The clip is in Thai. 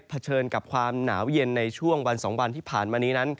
เฉินกับความหนาวเย็นในช่วงวัน๒วันที่ผ่านมานี้นั้น